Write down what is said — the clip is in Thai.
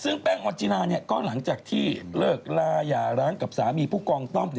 ซึ่งแป้งออนจิลาก็หลังจากที่เลิกลาอย่าร้างกับสามีผู้กองต้อม